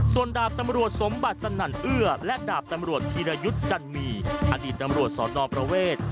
ส่วนดาบตำรวจสมบัติสนั่นเอื้อและดาบตำรวจธีรยุทธ์จันมีอดีตตำรวจสอนอประเวท